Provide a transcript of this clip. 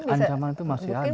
ancaman itu masih ada